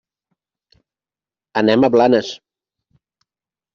Anem a Blanes.